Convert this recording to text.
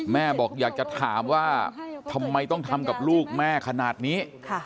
แม่บอกอยากจะถามว่าทำไมต้องทำกับลูกแม่ขนาดนี้